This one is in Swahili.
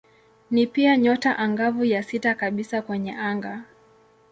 Ni pia nyota angavu ya sita kabisa kwenye anga.